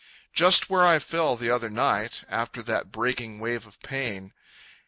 Just where I fell the other night, After that breaking wave of pain.